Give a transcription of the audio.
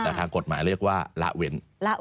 แต่ทางกฎหมายเรียกว่าละเว้น